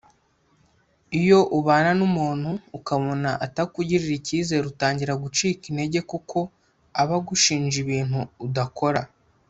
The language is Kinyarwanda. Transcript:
Iyo ubana n’umuntu ukabona atakugirira icyizere utangira gucika intege kuko aba agushinja ibintu udakora